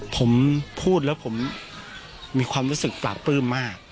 ผมพูดแล้วผมมีความรู้สึกปราบปลื้มมาก